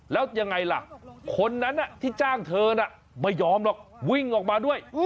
แล้วยังไงล่ะคนนั้นที่จ้างเธอน่ะไม่ยอมหรอกวิ่งออกมาด้วย